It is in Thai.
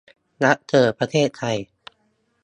รักเธอประเทศไทย